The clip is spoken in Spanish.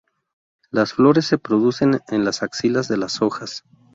Las flores se producen en la axilas de las hojas.